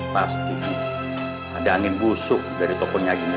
pasti ada angin busuk dari tokonya gini